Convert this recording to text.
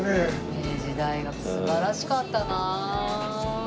明治大学素晴らしかったな！